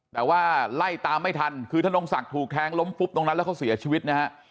แต่ว่าไล่ตามไม่ทันคือธนงศักดิ์ถูกแทงล้มฟุบตรงนั้นแล้วเขาเสียชีวิตนะฮะ